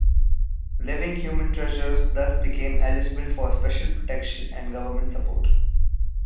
Living Human Treasures thus became eligible for special protection and government support.